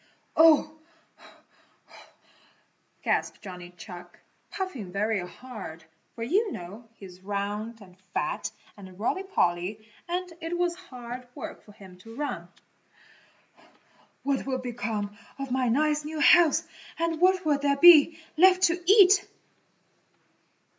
"Oh," gasped Johnny Chuck, puffing very hard, for you know he is round and fat and roly poly and it was hard work for him to run, "what will become of my nice new house and what will there be left to eat?"